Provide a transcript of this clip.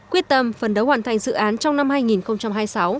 quyết tâm phần đấu hoàn thành dự án trong năm hai nghìn hai mươi sáu